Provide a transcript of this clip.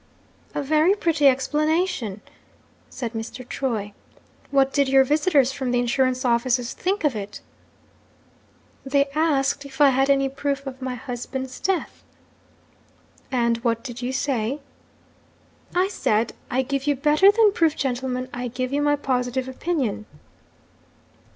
'A very pretty explanation!' said Mr. Troy. 'What did your visitors from the insurance offices think of it?' 'They asked if I had any proof of my husband's death.' 'And what did you say?' 'I said, "I give you better than proof, gentlemen; I give you my positive opinion."'